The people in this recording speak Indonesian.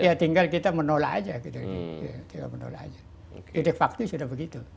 iya tinggal kita menolak saja judek faktis sudah begitu